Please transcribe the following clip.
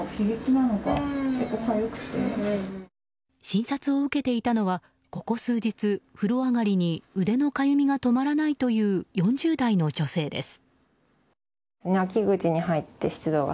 診察を受けていたのはここ数日、風呂上がりに腕のかゆみが止まらないという４０代の女性です。